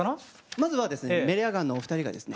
まずはですねメレアガンのお二人がですね。